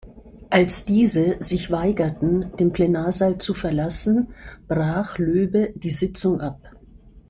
Als diese sich weigerten, den Plenarsaal zu verlassen, brach Löbe die Sitzung ab.